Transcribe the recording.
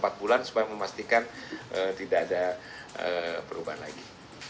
kita sudah berusaha selama sebulan supaya memastikan tidak ada perubahan lagi